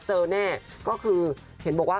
เจอแน่ก็คือเห็นบอกว่า